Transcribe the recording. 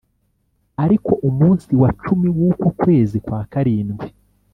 ariko umunsi wa cumi w uko kwezi kwa karindwi